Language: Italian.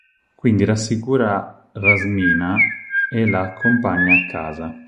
Quindi rassicura Rasminah e la accompagna a casa.